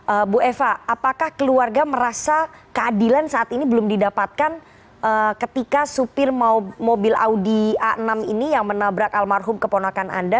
ibu eva apakah keluarga merasa keadilan saat ini belum didapatkan ketika supir mobil audi a enam ini yang menabrak almarhum keponakan anda